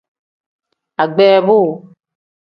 Agbeebu.